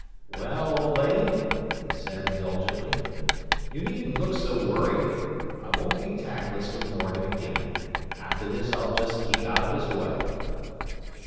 "Well, old lady," he said indulgently, "you needn't look so worried. I won't be tactless with Morgan again. After this I'll just keep out of his way."